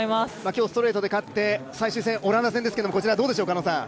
今日ストレートで勝って最終戦はオランダ戦ですけど、どうでしょう？